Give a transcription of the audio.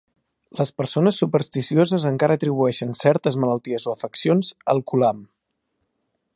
Les persones supersticioses encara atribueixen certes malalties o afeccions al "kulam".